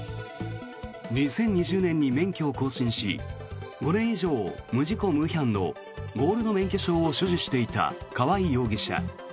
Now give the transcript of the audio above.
２０２０年に免許を更新し５年以上無事故無違反のゴールド免許証を所持していた川合容疑者。